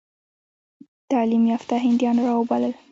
تعلیم یافته هندیان را وبلل.